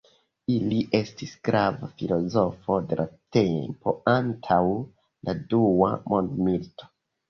Li estis grava filozofo de la tempo antaŭ la dua mondmilito.